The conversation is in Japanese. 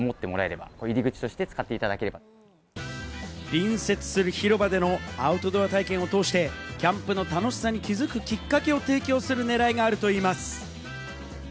隣接する広場でのアウトドア体験を通して、キャンプの楽しさに気づくきっかけを提供するねらいがあるといいます。